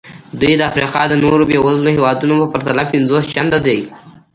دوی د افریقا د نورو بېوزلو هېوادونو په پرتله پنځوس چنده دي.